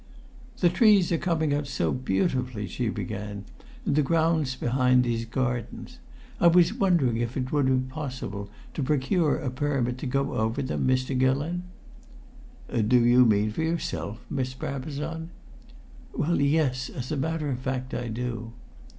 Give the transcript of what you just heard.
"The trees are coming out so beautifully," she began, "in the grounds behind these gardens. I was wondering if it would be possible to procure a permit to go over them, Mr. Gillon." "Do you mean for yourself, Miss Brabazon?" "Well, yes, as a matter of fact I do."